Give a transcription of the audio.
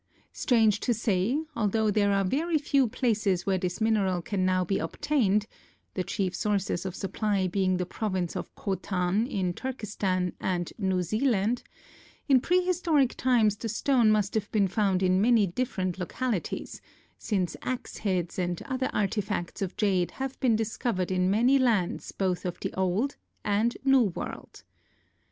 Strange to say, although there are very few places where this mineral can now be obtained,—the chief sources of supply being the province of Khotan in Turkistan and New Zealand,—in prehistoric times the stone must have been found in many different localities, since axe heads and other artefacts of jade have been discovered in many lands both of the old and new world.